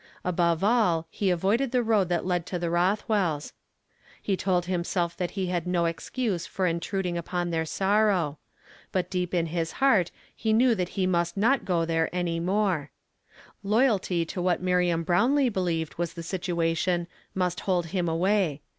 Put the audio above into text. Above all he avoided the road that led to the Rothwells' ; he told himself that he had no excuse for intruding upon their sorrow ; but deep in his heart he knew that he must not go there any more. ill' 330 YESTERDAY EUAMED IN TO DAY. n I Loyalty to what Miriam Brownlee believed was the situation must hold him away.